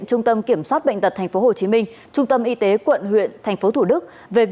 trung tâm kiểm soát bệnh tật tp hcm trung tâm y tế quận huyện tp thủ đức về